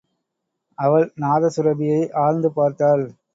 அவள் நாதசுரபியை ஆழ்ந்து பார்த்தாள்.